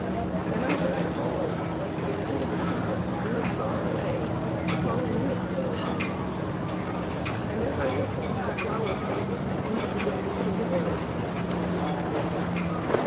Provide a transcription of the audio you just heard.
Then I heard a call, like the note of a trumpet very far away, calling me to come. And as I listened the flower faded into the dimness of the hills."